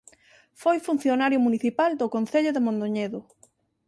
Foi funcionario municipal do Concello de Mondoñedo.